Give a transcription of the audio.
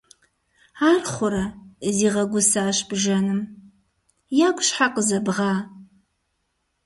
- Ар хъурэ! - зигъэгусащ бжэным. - Ягу щхьэ къызэбгъа?